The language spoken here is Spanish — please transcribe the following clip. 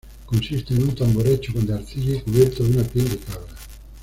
Consiste en un tambor hecho de arcilla y cubierto de una piel de cabra.